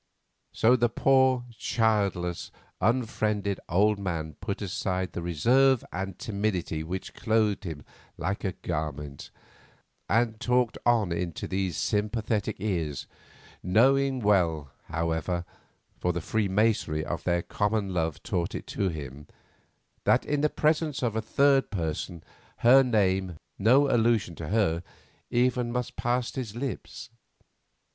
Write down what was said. So the poor, childless, unfriended old man put aside the reserve and timidity which clothed him like a garment, and talked on into those sympathetic ears, knowing well, however—for the freemasonry of their common love taught it to him—that in the presence of a third person her name, no allusion to her, even, must pass his lips.